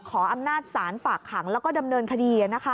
ขออำนาจศาลฝากขังแล้วก็ดำเนินคดี